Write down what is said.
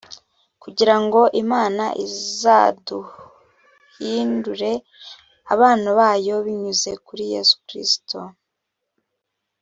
kugira ngo imana izaduhindure abana bayo binyuze kuri yesu kristo.